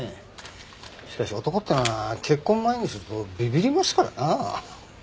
しかし男っていうのは結婚を前にするとビビりますからな。